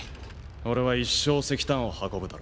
俺は一生石炭を運ぶだろう。